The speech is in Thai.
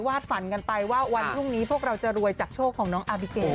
ฝันกันไปว่าวันพรุ่งนี้พวกเราจะรวยจากโชคของน้องอาบิเก